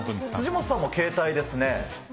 辻元さんも携帯ですね。